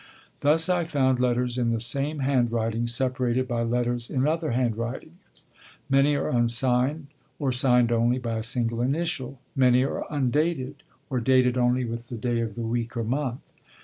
Thus I found letters in the same handwriting separated by letters in other handwritings; many are unsigned, or signed only by a single initial; many are undated, or dated only with the day of the week or month.